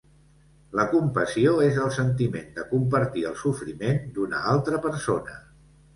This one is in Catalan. La compassió és el sentiment de compartir el sofriment d'una altra persona.